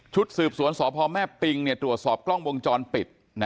สืบสวนสพแม่ปิงตรวจสอบกล้องวงจรปิด